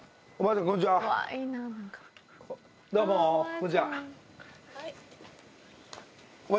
こんちは。